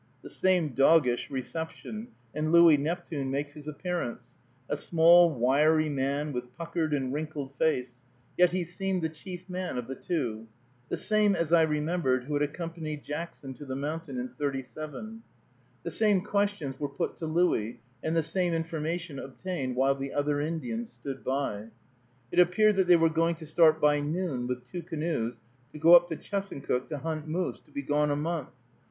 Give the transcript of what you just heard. The same doggish reception, and Louis Neptune makes his appearance, a small, wiry man, with puckered and wrinkled face, yet he seemed the chief man of the two; the same, as I remembered, who had accompanied Jackson to the mountain in '37. The same questions were put to Louis, and the same information obtained, while the other Indian stood by. It appeared that they were going to start by noon, with two canoes, to go up to Chesuncook to hunt moose, to be gone a month.